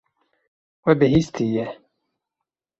We bihîstiye.